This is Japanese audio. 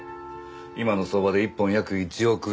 今の相場で１本約１億円。